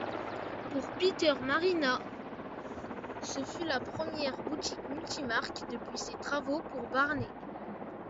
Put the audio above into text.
Pour Peter Marino, ce fut la première boutique multimarque depuis ses travaux pour Barneys.